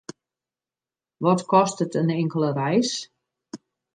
Wat kostet in inkelde reis?